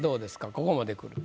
ここまでくると。